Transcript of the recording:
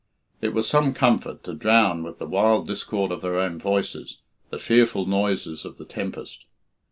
It was some comfort to drown with the wild discord of their own voices the fearful noises of the tempest.